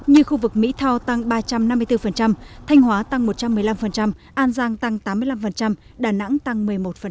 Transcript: như khu vực mỹ thao tăng ba trăm năm mươi bốn thanh hóa tăng một trăm một mươi năm an giang tăng tám mươi năm đà nẵng tăng một mươi một